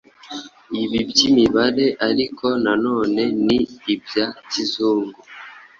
Ibi by'imibare ariko na none ni ibya kizungu.